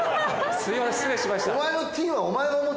すみません失礼しました。